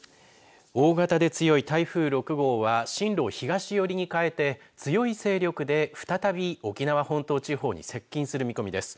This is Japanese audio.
大型で強い台風６号は進路を東寄りに変えて強い勢力で、再び沖縄本島地方に接近する見込みです。